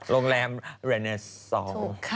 โรงแรมเรเนอร์ซองค์